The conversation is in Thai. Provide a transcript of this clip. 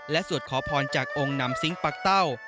สวดขอพรจากองค์นำซิงค์ปักเต้า